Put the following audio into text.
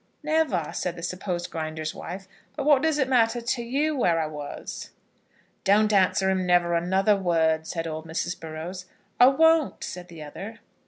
"Never," said the supposed Grinder's wife; "but what does it matter to you where I was?" "Don't answer him never another word," said old Mrs. Burrows. "I won't," said the other.